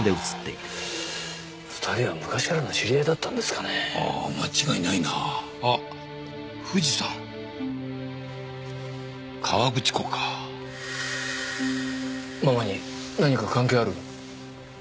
２人は昔からの知り合いだったんですかねぇあぁ間違いないなあっ富士山河口湖かママに何か関係ある？